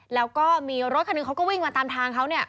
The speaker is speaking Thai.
แล้วก็มีรถคันหนึ่งเขาก็วิ่งมาตามทางเขาเนี่ย